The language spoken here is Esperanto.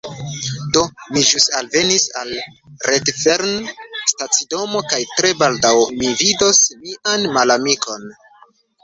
Do, mi ĵus alvenis al Redfern stacidomo kaj tre baldaŭ mi vidos mian malamikinon